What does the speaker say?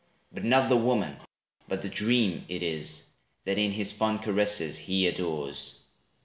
But not the woman, but the dream it is, That in his fond caresses, he adores.